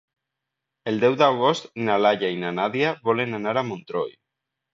El deu d'agost na Laia i na Nàdia volen anar a Montroi.